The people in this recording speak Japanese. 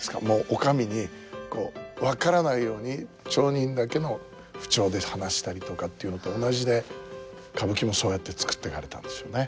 お上にこう分からないように町人だけの口調で話したりとかっていうのと同じで歌舞伎もそうやって作っていかれたんですよね。